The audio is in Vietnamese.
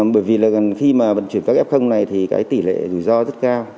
bởi vì là khi mà vận chuyển các f này thì cái tỷ lệ rủi ro rất cao